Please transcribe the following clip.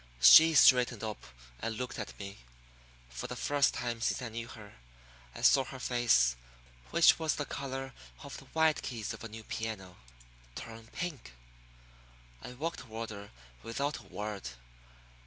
She straightened up and looked at me. For the first time since I knew her I saw her face which was the color of the white keys of a new piano turn pink. I walked toward her without a word.